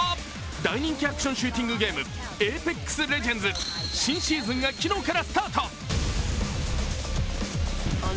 大人気アクションシューティングゲーム「ＡｐｅｘＬｅｇｅｎｄｓ」新シーズンが昨日からスタート。